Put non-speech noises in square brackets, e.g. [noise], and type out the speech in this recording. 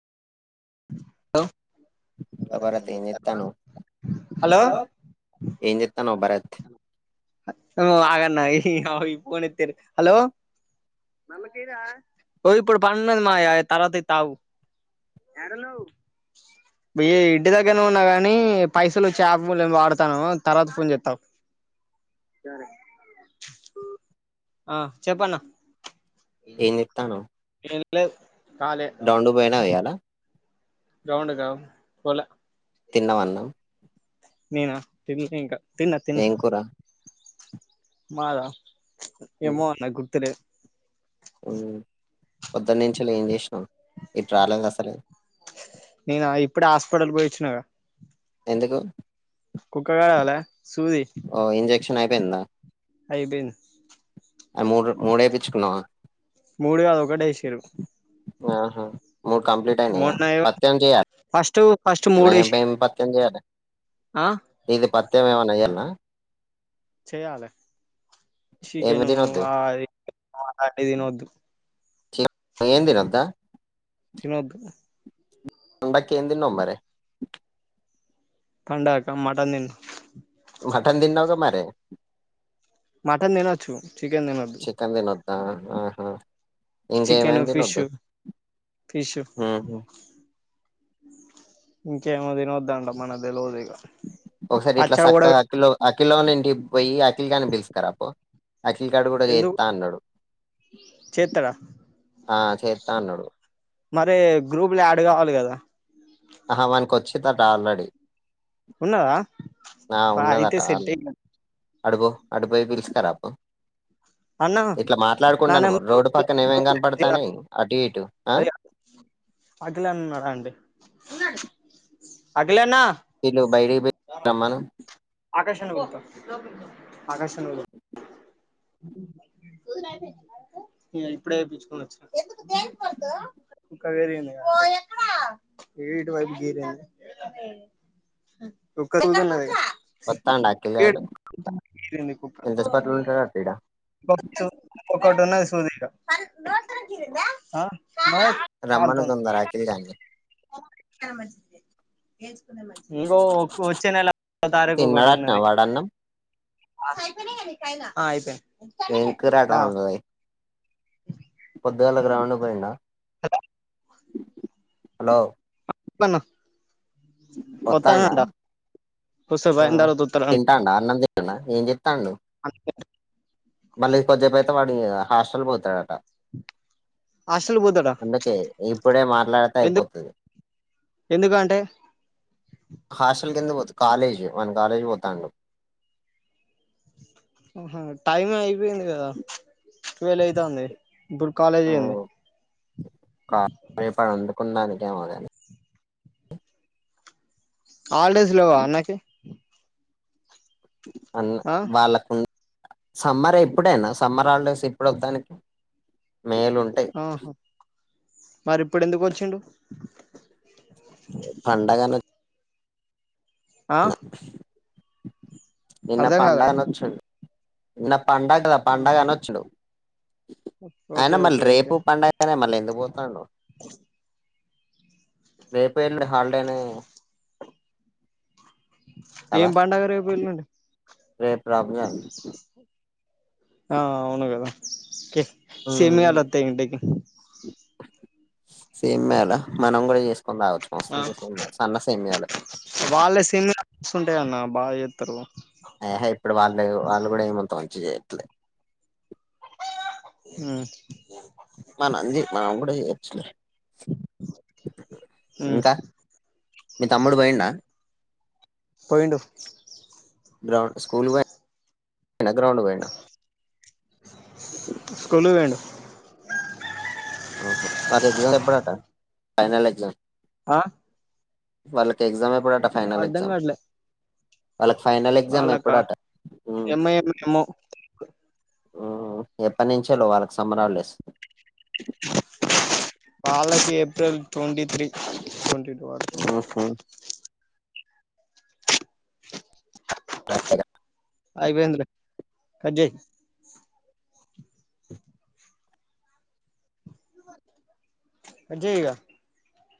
Hello Bharat ఏ చెత్తాను hello ఏం చెత్తాను భరత్ అగన్నా అయి పోన్తేరు హలో మీ అమ్మ కి ఇర ఓ ఇప్పుడు పని ఉన్నది మా తరావాతి ఇతఅగు ఆడఉన్నావ్ య్య ఇంటి దగ్గరనే ఉన్నా కాగాని పైసలు చేప వాడతాను తర్వాత ఫోన్ చెస్తావుఅగు సరే ఆ చెప్పన్న అన్న ఏం జేత్తన్నవ్? ఏం లేదు డాోండుూ బైనా వయలా గ్రాండ్ కా పోలే తిన్నావా అన్నం నేనా తిలే ఇంకా తిన్న తిన్న ఏం కూర మాదా ఏమో అన్న గుర్తు లేదు హమ్ పొదట్ నుచి ఎం చేసినవ్ ఇటు రాలేదు అసలు నేను ఇప్పుడే హాస్పిటల్ పోయి ఇచ్చినకదా ఎందుకు కుక్క కాడ వాాల సూది యి పంద అయిపోయింది మ మూడే పిచ్ుకున్నా మూడు కాదు ఒకటి వేసారు ఆహా మూడు కంప్లీట్ అయినాయా పత్యం చెయాలి ఫస్ట్ ఫస్ట్ మూడేసి అబమి పత్యం చేయాలి ఆ ఇది పత్యమ ఏమనాయ్యాలన్న చేయాల ఏమి చికెన్ తినొద్దు ఏం తినొద్దా తినొద్దు పండకి ఏం తిన్నావ్ మరి పండక్క మటన్ తిన్న మఠన్ తిన్నావుగా మరి మటన్ తినొచ్చు చికెన్ తినొద్దు చికెన్ తినొద్దా ఆహా చికెన్ ఇంకేం ఫిష్ తినద్దు ఫిష్ హ ఇంకేమో దిన వద్దాంంట మనకు తెలవదు ఇగ ఒకసారి ఇట్లా పచ్చడి కూడా చక్కగా అకిలో అకిలోని ఇంటి పోయి అఖల్ గానే పిలుసుకారు అప్పు అఖిల్ కాడు కూడా ఎందుకు చేస్తా అన్నాడు చేత్తడా ఆ చేతా అన్నడు మరి గ్రూప్ లో యాడ్ కావాలి కదా ఆహ వానికి వచ్చిదట ఆల్రెడీ ఉన్నాదా అయితే సెట్ అయ అడబో అడబోయి పిల్స్కపు అన్నా ఇట్లా నా మాట్లాడుకుంటడాను నెంబర్ రోడ్డు పక్కనే ఏమేం కనపడతానే అటు ఇటు ఆ అది అకిలాన ఉన్నారా అండి అకిలానా ఇలు బయట రమ్మాను ఆకాశన్న పిలుస్తుండు ఆకాశన్న న ఇప్పుడే వయిించుకొని వచ్చా కవర ఏటు వైపు గర చక్కూజ వస్తాండు అఖిల్ [unintelligible] ఏ గాడు ఎంతసేపట్లో [unintelligible] ఉంటాడట ఈడ ఒకటి ఉన్నది సుది ఏడ బ రమ్మను కాాలతుంది తొందర అఖిల్ గాని మంచిదే ఏస్ ఇంకో ఒ వచ్చే నెల తారీకు ఒకటి తిన్నాడట ఉన్నది వాడన్నం అతే అయితే ఎం కూర రాంబయ్ పొద్దుగాేల గ్రాౌండ్కు పోయిండా హలో ప్పన్న ఒత్తడా వస్తే ఆ పోయిన తర్వాత వత్తాడంట తింటాండా అన్నం తింటండా ఏం చెతాండూ మళ్ళీ కొంచ్చేపైంతే వాడి హాస్టల్ పోతాడట హాస్టల్ పోతాడా అందుకే ఇప్పుడే మాట్లాడితే అయిపోతది ఎందుకు అంటే హాస్టల్ కెందుకు పోతు కాలేజు వని కాలేజీకి పోతాండు ఆహా టైమే అయిపోయింది కదా టువెల్ అయితంది ఇప్పుడు కాలేజ్ ఏందీ కుండానికేమొగాని హాలిడేస్ లేవ అన్నాకి అన్న ఆ వాళ్ళ కున్ సమ్మర్ ఎప్పుడేనా సమ్మర్ హాలిడేస్ ఇప్పుడోతానై ఆహా మరి ఇప్పుడెందుకు వచ్చిండు పండగనో ఆ న్న నిన్న అర్ధం కాలే పండగనోచ్చిండు నిన్న పండగర పండగ ఆహా అని ఒచ్చుడు ఓకే అయినా మళ్ళీ ఓకే ఓకే రేపు పండగనే మళ్ళ ఎందుకు పోతుా రేపేల్డు హల్ిడేనే ఏం పడగ రేపు ఎల్లుండి రేప్ రంజాన్ ఆ అవును కదా కే సేమియాలోత్తాయ్ ఇంటికి సేమ్య లా మనం కూడా చేస్ చ్చు కొని తాగొచ్చు ఆ మస్తుంటాయి సేమ్యాలు సన్న సేమ్యాలు వాళ్ళ సేమియా మస్తుంటాయి అన్న బాగా చేత్తరు ఆహా ఇప్పుడు వాళ్ళు వాళ్ళు కూడా ఏమంత మంచి చేయట్లే హుమ్మ్ మ నందిీ మనం కూడా చెయ్యొచ్చులే మ్మ్ ఇంకా మీ తమ్ముడు పొఇండా పోఇండు గ్రాండ్ స్కూల్ డా గ్రౌండ్ పోఇండ స్కూల్ కి పోయిండు ఆహ పార్గ్స్ గ్జాడ్ ఎప్పుడట ఫైనల్ ఎగ్జామ్ ఆ వాళ్ళకి ఎగ్జామ్ ఎప్పుడాట ఫైనల్ అర్ధం ఎగ్జామ్ కావట్లే వాళ్ళకి ఫైనల్ ఎగ్జామ్ వాళ్ళకా ఎప్పుడట హు ఏమో ఏమో ఏమో ఆ ఎప్పటి నుంచేలో వాళ్ళకి సమ్మర్ హాలీడేస్ వాళ్ళకి April twenty three twenty two అట్ ఉహు రాట్లేదా అయిపోఇంది లే కట్ చెయ్ కట్ చెయ్ ఇగ